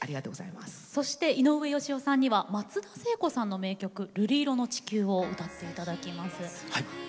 井上芳雄さんには松田聖子さんの名曲「瑠璃色の地球」を歌っていただきます。